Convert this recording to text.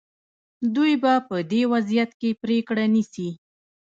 دوی به په دې وضعیت کې پرېکړه نیسي.